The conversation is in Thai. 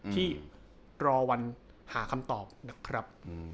ที่รอวันหาคำตอบนะครับ